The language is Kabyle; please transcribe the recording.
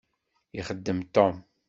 Ixeddem Tom.